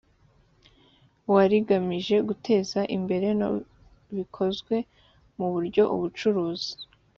wa rigamije guteza imbere no bikozwe mu buryo ubucuruzi